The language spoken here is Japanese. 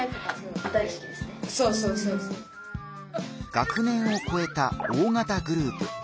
学年をこえた大型グループ。